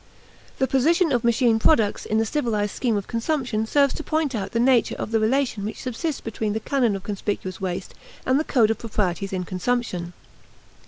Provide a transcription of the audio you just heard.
The position of machine products in the civilized scheme of consumption serves to point out the nature of the relation which subsists between the canon of conspicuous waste and the code of proprieties in consumption.